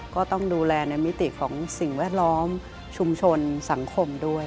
ก็ต้องดูแลในมิติของสิ่งแวดล้อมชุมชนสังคมด้วย